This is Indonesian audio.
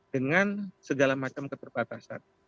dengan segala macam keterbatasan